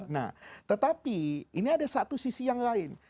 nah tetapi ini ada satu sisi yang lain